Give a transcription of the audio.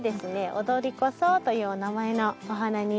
オドリコソウというお名前のお花になります。